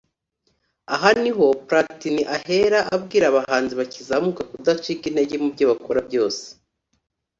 Aha niho Platini ahera abwira abahanzi bakizamuka kudacika intege mu byo bakora byose